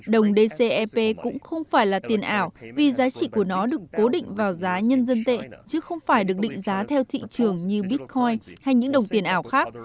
đồng dcep cũng không phải là tiền ảo vì giá trị của nó được cố định vào giá nhân dân tệ chứ không phải được định giá theo thị trường như bitcoin hay những đồng tiền ảo khác